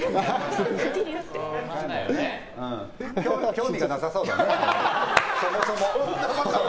興味がなさそうよね。